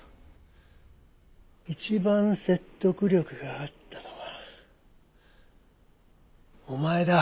一番説得力があったのはお前だ！